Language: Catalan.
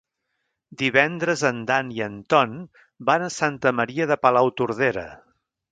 Divendres en Dan i en Ton van a Santa Maria de Palautordera.